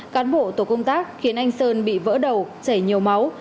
cán bộ tổ công tác khiến anh sơn bị vỡ đầu chảy nhiều máu